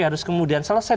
harus kemudian selesai